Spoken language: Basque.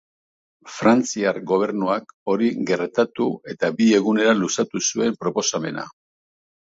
Frantziar gobernuak hori gertatu eta bi egunera luzatu zuen proposamena.